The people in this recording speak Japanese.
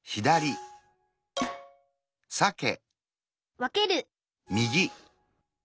わける